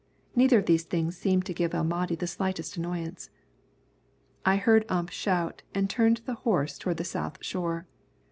Neither of these things seemed to give El Mahdi the slightest annoyance. I heard Ump shout and turned the horse toward the south shore.